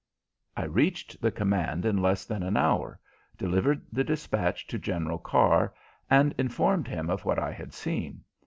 I reached the command in less than an hour, delivered the dispatch to General Carr, and informed him of what I had seen.